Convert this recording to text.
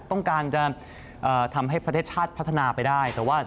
ต้องการจะทำให้ประเทศชาติพัฒนาไปได้แต่ว่า